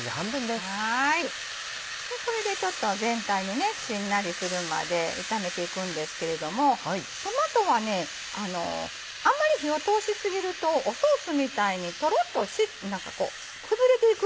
これでちょっと全体にしんなりするまで炒めていくんですけれどもトマトはあんまり火を通し過ぎるとソースみたいにトロっと崩れていく。